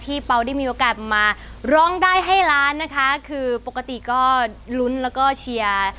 เปล่าได้มีโอกาสมาร้องได้ให้ล้านนะคะคือปกติก็ลุ้นแล้วก็เชียร์